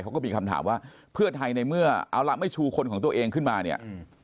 เขาก็มีคำถามว่าเพื่อไทยในเมื่อเอาละไม่ชูคนของตัวเองขึ้นมาเนี่ย